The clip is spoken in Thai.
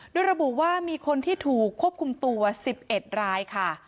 โดยระบุว่ามีคนที่ถูกควบคุมตัว๑๑รายค่ะ